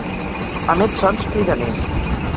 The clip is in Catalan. Emet sons cridaners.